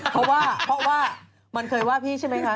เพราะว่าเขาเคยว่าพี่ใช่มั้ยคะ